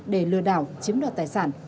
để lừa đảo chiếm đoạt tài sản